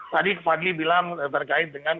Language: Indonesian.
tadi pak adli bilang terkait dengan